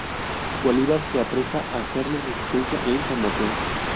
Bolívar se apresta hacerle resistencia en San Mateo.